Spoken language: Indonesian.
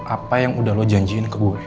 apa yang udah lo janjiin ke gue